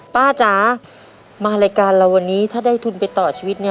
จ๋ามารายการเราวันนี้ถ้าได้ทุนไปต่อชีวิตเนี่ย